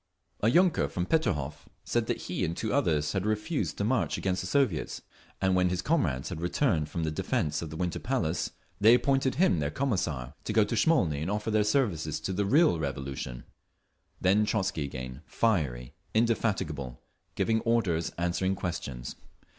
'" A yunker from Peterhof said that he and two others had refused to march against the Soviets; and when his comrades had returned from the defence of the Winter Palace they appointed him their Commissar, to go to Smolny and offer their services to the real Revolution…. Then Trotzky again, fiery, indefatigable, giving orders, answering questions.